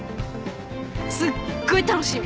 すっごい楽しみ！